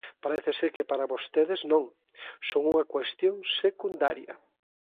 Parece ser que para vostedes non, son unha cuestión secundaria.